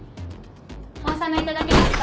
お納めいただけますか？